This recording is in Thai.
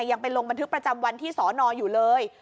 ยังไปลงบันทึกประจำวันที่สอนออยู่เลย